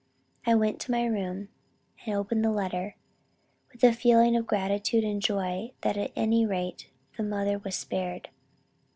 I went to my room, and opened the letter with a feeling of gratitude and joy, that at any rate the mother was spared.